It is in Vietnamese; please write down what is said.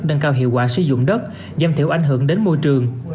nâng cao hiệu quả sử dụng đất giảm thiểu ảnh hưởng đến môi trường